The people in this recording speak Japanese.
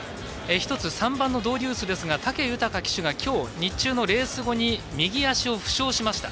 一つ３番のドウデュースですが武豊騎手が今日日中のレース後に右足を負傷しました。